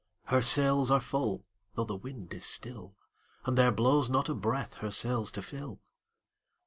Her sails are full,—though the wind is still, And there blows not a breath her sails to fill!